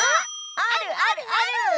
あるあるある！